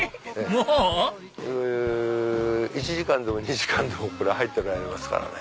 もう⁉１時間でも２時間でも入ってられますからね。